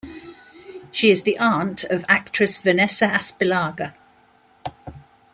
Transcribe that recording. She is the aunt of actress Vanessa Aspillaga.